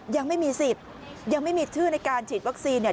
ยังไม่มีสิทธิ์ยังไม่มีชื่อในการฉีดวัคซีนเนี่ย